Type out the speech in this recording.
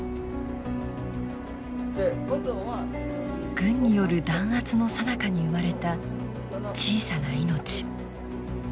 軍による弾圧のさなかに生まれた小さな命。